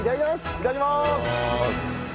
いただきます。